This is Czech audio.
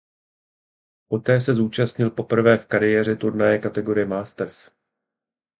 Poté se zúčastnil poprvé v kariéře turnaje kategorie Masters.